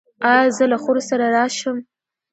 ایا زه له خور سره راشم؟